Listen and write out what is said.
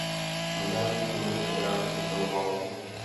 Nenávidí německé vojáky i celou válku.